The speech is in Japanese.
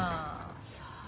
さあ。